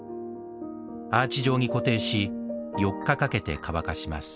アーチ状に固定し４日かけて乾かします。